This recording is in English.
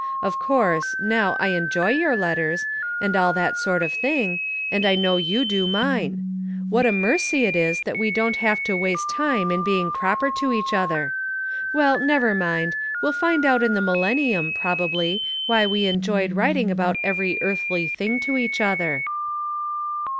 Of course, now, I enjoy your letters, and all that sort of thing ; and I know you do mine. What a mercy it is that we don't have to waste time in being proper to each other. Well, never mind, we'll find out in the millennium, probably, why we enjoyed writing about every earthly thing to each other.